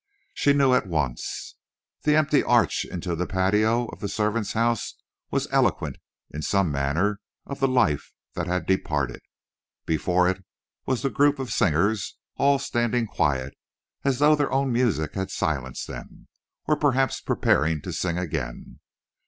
She knew at once. The empty arch into the patio of the servants' house was eloquent, in some manner, of the life that had departed. Before it was the group of singers, all standing quiet, as though their own music had silenced them, or perhaps preparing to sing again.